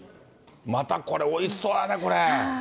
またこれ、おいしそうだね、これ。